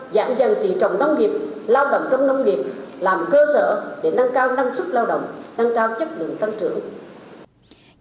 giảm dần tỉ trọng nông nghiệp lao động trong nông nghiệp làm cơ sở để nâng cao năng suất lao động nâng cao chất lượng tăng trưởng